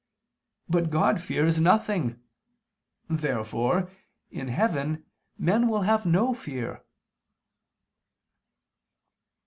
But God fears nothing. Therefore, in heaven, men will have no fear.